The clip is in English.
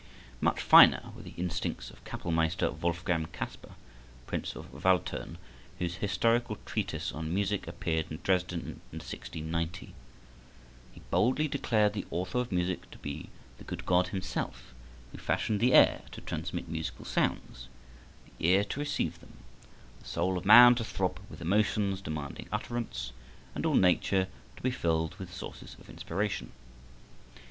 Much finer were the instincts of Capellmeister Wolfgang Kasper, Prince of Waldthurn, whose historical treatise on Music appeared in Dresden in 1690. He boldly declared the author of music to be the good God himself, who fashioned the air to transmit musical sounds, the ear to receive them, the soul of man to throb with emotions demanding utterance, and all nature to be filled with sources of inspiration.